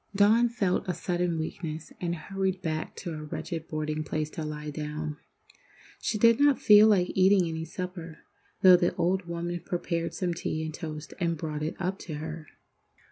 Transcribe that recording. Dawn felt a sudden weakness, and hurried back to her wretched boarding place to lie down. She did not feel like eating any supper, though the old woman prepared some tea and toast and brought it up to her.